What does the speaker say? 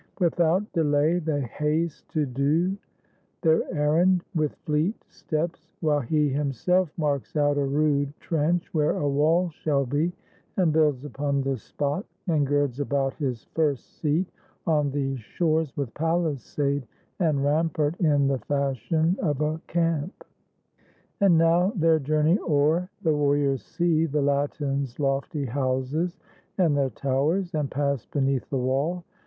Without delay they haste to do Their errand, with fleet steps; while he himself Marks out a rude trench where a wall shall be, And builds upon the spot, and girds about His first seat on these shores, with palisade And rampart, in the fashion of a camp. And now, their journey o'er, the warriors see The Latins' lofty houses and their towers, And pass beneath the wall.